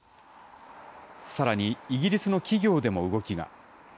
さらに、イギリスの企業でも動きが。